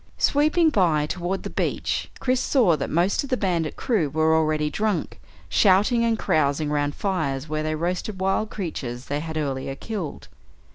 Sweeping by toward the beach Chris saw that most of the bandit crew were already drunk, shouting and carousing around fires where they roasted wild creatures they had earlier killed.